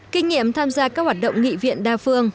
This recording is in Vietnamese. kinh nghiệm tham gia các hoạt động nghị viện đa phương